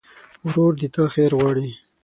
ورور د تا خیر غواړي.